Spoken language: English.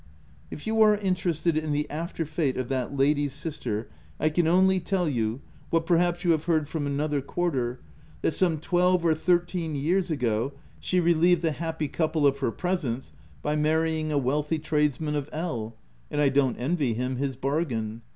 If you are interested in the after fate of that I lady's sister, I can only tell you — what perhaps you have heard from another quarter — that l 3 226 THE TENANT some twelve or thirteen years ago, she relieved the happy couple of her presence by marry ing a wealthy tradesman of L ——; and I don't envy him his bargain.